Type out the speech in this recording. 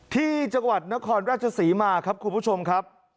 ที่จังหวัดนครราชศรีมาครับคุณผู้ชมครับ